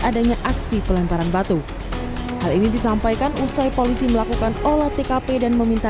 adanya aksi pelemparan batu hal ini disampaikan usai polisi melakukan olah tkp dan meminta